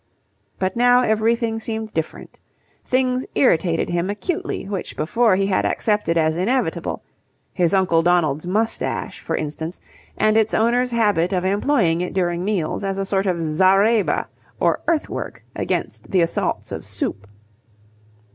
But now everything seemed different. Things irritated him acutely, which before he had accepted as inevitable his Uncle Donald's moustache, for instance, and its owner's habit of employing it during meals as a sort of zareba or earthwork against the assaults of soup.